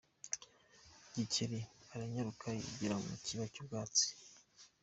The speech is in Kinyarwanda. Gikeli aranyaruka yigira mu kiba cy’ubwatsi.